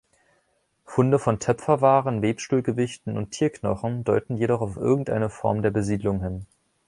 Funde von Töpferwaren, Webstuhlgewichten und Tierknochen deuten jedoch auf irgendeine Form der Besiedlung hin.